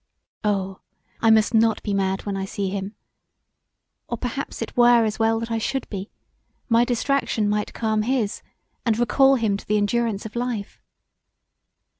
Oh! I must not be mad when I see him; or perhaps it were as well that I should be, my distraction might calm his, and recall him to the endurance of life.